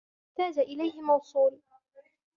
وَالْمُحْتَاجَ إلَيْهِ مَوْصُولٌ